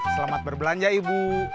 selamat berbelanja ibu